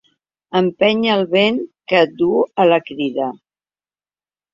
Empeny el vent que et duu a la crida.